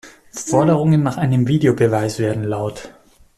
Forderungen nach einem Videobeweis werden laut.